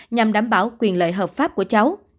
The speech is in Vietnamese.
nhằm đảm bảo quyền lợi hợp pháp của cháu